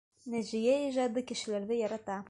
Нәжиә ижади кешеләрҙе ярата.